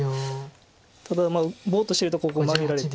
ただぼっとしてるとここマゲられて。